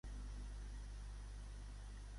Podries reservar taula al Le Romane?